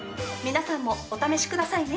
皆さんもお試しくださいね。